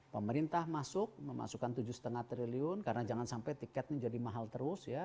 pemerintah masuk memasukkan tujuh lima triliun karena jangan sampai tiketnya jadi mahal terus ya